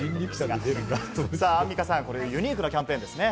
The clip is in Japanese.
アンミカさん、これユニークなキャンペーンですね？